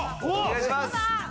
お願いします！